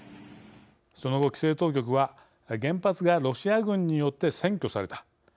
その後、規制当局は「原発がロシア軍によって占拠された。